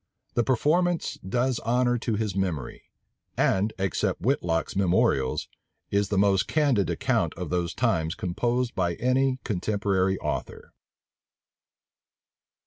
The performance does honor to his memory; and, except Whitlocke's Memorials, is the most candid account of those times composed by any contemporary author.